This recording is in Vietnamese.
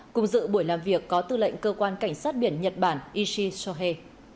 cùng dự buổi làm việc có tư lệnh cơ quan cảnh sát biển nhật bản ishi chohe